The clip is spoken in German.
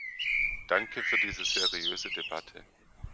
Danke für diese seriöse Debatte!